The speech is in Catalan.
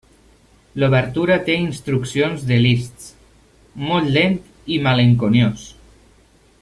L'obertura té instruccions de Liszt: molt lent i malenconiós.